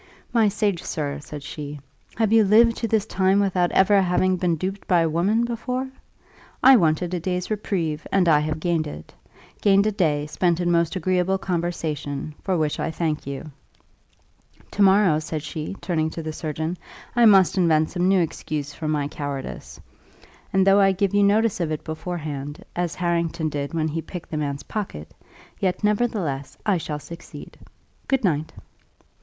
"My sage sir," said she, "have you lived to this time without ever having been duped by a woman before? I wanted a day's reprieve, and I have gained it gained a day, spent in most agreeable conversation, for which I thank you. To morrow," said she, turning to the surgeon, "I must invent some new excuse for my cowardice; and though I give you notice of it beforehand, as Harrington did when he picked the man's pocket, yet, nevertheless, I shall succeed. Good night!"